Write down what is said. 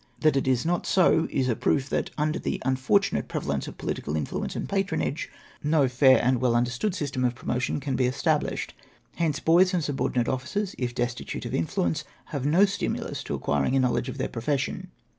That it is not so, is a proof that, under the unfortunate prevalence of pohtical influence and patronage, no fair and well understood system of promotion can be established. Hence boys and suborchnate officers, if destitute of influence, have no stimulus to acquiring a knowledge of their profes sion.